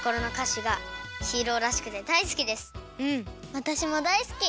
わたしもだいすき。